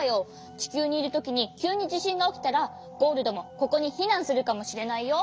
ちきゅうにいるときにきゅうにじしんがおきたらゴールドもここにひなんするかもしれないよ。